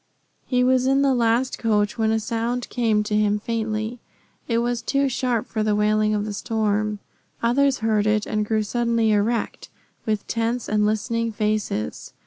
He was in the last coach when a sound came to him faintly. It was too sharp for the wailing of the storm. Others heard it and grew suddenly erect, with tense and listening faces.